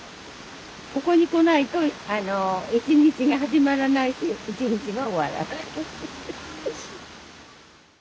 ここに来ないと１日が始まらないし１日が終わらない。